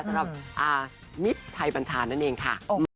สำหรับอามิตรชัยบัญชานั่นเองค่ะ